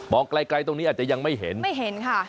ไกลไกลตรงนี้อาจจะยังไม่เห็นไม่เห็นค่ะ